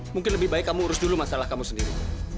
mungkin lebih baik kamu urus dulu masalah kamu sendiri